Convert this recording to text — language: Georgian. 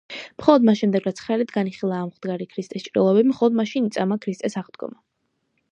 მხოლოდ მას შემდეგ რაც ხელით განიხილა აღმდგარი ქრისტეს ჭრილობები მხოლოდ მაშინ იწამა ქრისტეს აღდგომა.